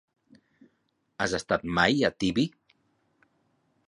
Has estat mai a Tibi?